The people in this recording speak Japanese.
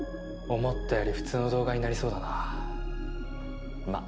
思ったより普通の動画になりそうだなまっ